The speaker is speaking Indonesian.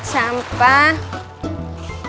terima kasih pak